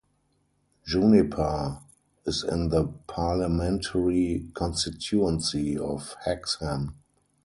Juniper is in the parliamentary constituency of Hexham.